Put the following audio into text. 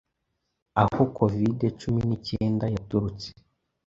aho Covid-cumi nicyenda yaturutse,